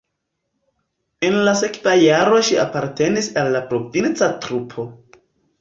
En la sekva jaro ŝi apartenis al provinca trupo.